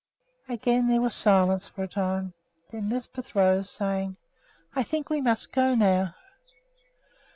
Again there was silence for a time. Then Lisbeth rose, saying, "I think we must go now."